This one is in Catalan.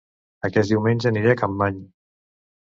Aquest diumenge aniré a Capmany